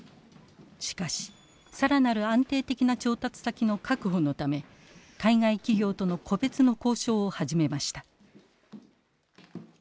しかし更なる安定的な調達先の確保のため海外企業との個別の交渉を始めました。